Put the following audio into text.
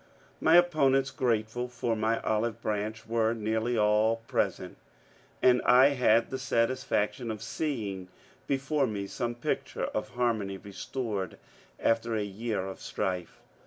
My opponents, grateful for my oliye branch, were nearly all present, and I had the satisfaction of seeing before me some picture of harmony restored after a year of strife.